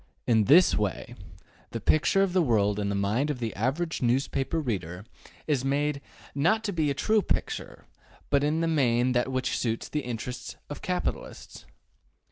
In this way the picture of the world in the mind of the average newspaper reader is made to be not a true picture, but in the main that which suits the interests of capitalists.